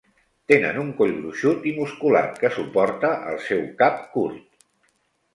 Tenen un coll gruixut i musculat que suporta el seu cap curt.